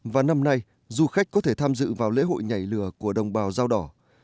và năm nay du khách có thể tham dự vào lễ hội nhảy lửa của đồng bào dao đỏ